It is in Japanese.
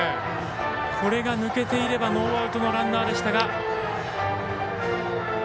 これが抜けていればノーアウトのランナーでした。